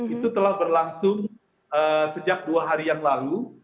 itu telah berlangsung sejak dua hari yang lalu